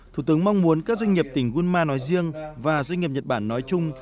thủ tướng mong muốn các doanh nghiệp tỉnh gân ma nói riêng và doanh nghiệp nhật bản nói chung